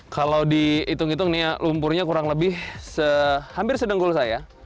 kalau dihitung hitung nih lumpurnya kurang lebih hampir sedenggul saya